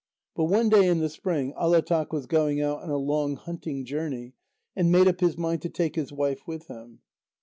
But one day in the spring, Alátaq was going out on a long hunting journey, and made up his mind to take his wife with him.